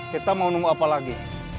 kita mau nunggu apa lagi